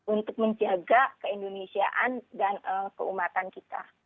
untuk menjaga keindonesiaan dan keumatan kita